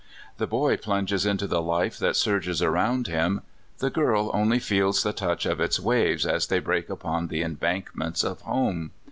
The boy plunges into the life that surges around him; the girl only feels the touch of its waves as they break upon the embankments of home.